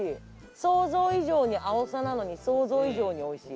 想像以上にあおさなのに想像以上においしい。